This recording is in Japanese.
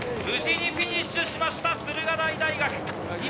無事にフィニッシュしました駿河台大学。